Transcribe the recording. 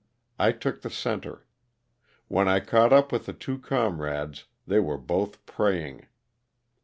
I took the center. When I caught up with the two comrades they were both praying.